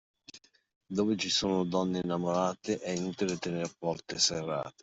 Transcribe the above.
Dove ci son donne innamorate è inutile tener porte serrate.